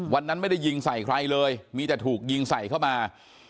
วันนั้นไม่ได้ยิงใส่ใครเลยมีแต่ถูกยิงใส่เข้ามา